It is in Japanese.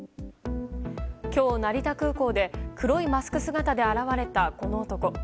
今日、成田空港で黒いマスク姿で現れたこの男。